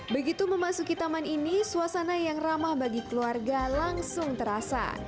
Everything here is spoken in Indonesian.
begitu memasuki taman ini suasana yang ramah bagi keluarga langsung terasa